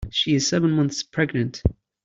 She is seven months pregnant.